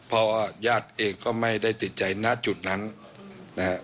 เพราะว่าญาติเองก็ไม่ได้ติดใจณจุดนั้นนะฮะ